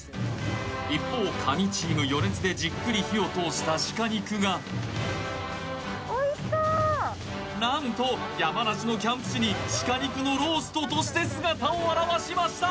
一方神チーム余熱でじっくり火を通した鹿肉が何と山梨のキャンプ地に鹿肉のローストとして姿を現しました